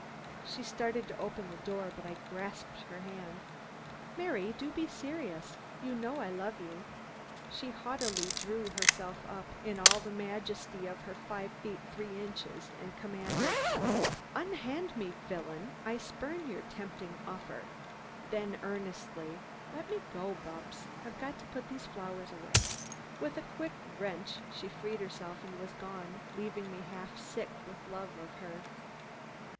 She started to open the door, but I grasped her hand. "Mary, do be serious! You know I love you." She haughtily drew herself up in all the majesty of her five feet three inches and commanded: "Unhand me, villain! I spurn your tempting offer." Then earnestly, "Let me go, Bupps! I've got to put these flowers away." With a quick wrench she freed herself and was gone, leaving me half sick with love of her.